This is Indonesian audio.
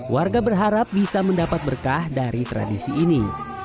warga berharap bisa mendapat berkah dari tradisi ini